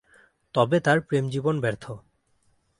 তবে তার প্রেম জীবন ব্যর্থ।